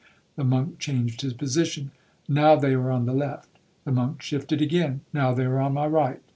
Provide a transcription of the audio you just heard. The monk changed his position. 'Now they are on the left.' The monk shifted again. 'Now they are on my right.'